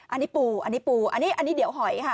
อันนี้ปูอันนี้ปูอันนี้อันนี้เดี๋ยวหอยค่ะ